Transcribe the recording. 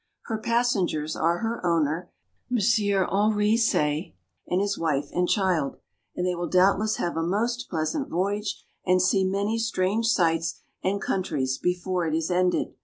Her passengers are her owner, M. Henri Say, and his wife and child, and they will doubtless have a most pleasant voyage, and see many strange sights and countries before it is ended.